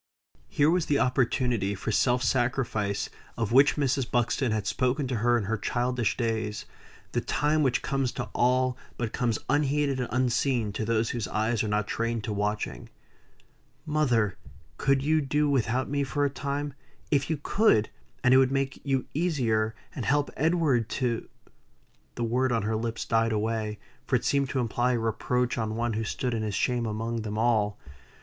Here was the opportunity for self sacrifice of which Mrs. Buxton had spoken to her in her childish days the time which comes to all, but comes unheeded and unseen to those whose eyes are not trained to watching. "Mother! could you do without me for a time? If you could, and it would make you easier, and help Edward to" The word on her lips died away; for it seemed to imply a reproach on one who stood in his shame among them all.